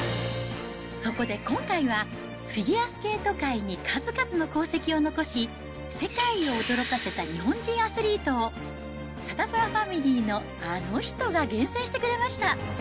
そこで今回は、フィギュアスケート界に数々の功績を残し、世界を驚かせた日本人アスリートを、サタプラファミリーのあの人が厳選してくれました。